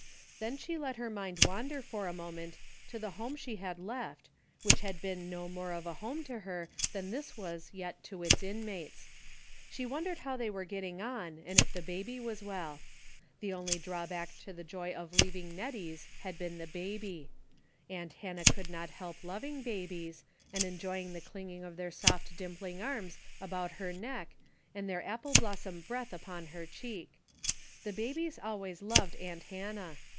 Then she let her mind wander for a moment to the home she had left which had been no more of a home to her than this was yet to its inmates. She wondered how they were getting on, and if the baby was well. The only drawback to the joj^ of leaving Nettie's had been the baby. Aunt Hannah could not help loving babies, and enjoying the clinging of their soft dimpling arms about her neck and their apple blossom breath upon her cheek. The babies always loved aunt Hannah.